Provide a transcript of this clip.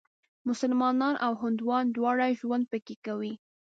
مسلمانان او هندوان دواړه ژوند پکې کوي.